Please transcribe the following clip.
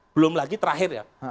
belum lagi terakhir ya